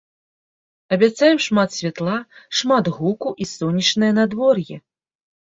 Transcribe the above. Абяцаем шмат святла, шмат гуку і сонечнае надвор'е!